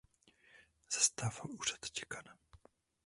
Zastával úřad děkana.